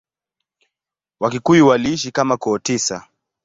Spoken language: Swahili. Wakikuyu waliishi kama koo tisa.